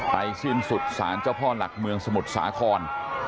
สิ้นสุดสารเจ้าพ่อหลักเมืองสมุทรสาคร